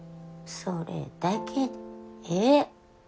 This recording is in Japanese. それだけでええ。